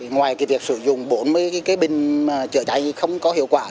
ngoài việc sử dụng bốn mươi bình chữa cháy không có hiệu quả